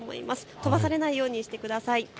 飛ばされないようにしてください。